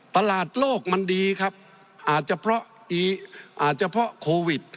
ตลาดโลกมันดีครับอาจจะเพราะอาจจะเพราะโควิด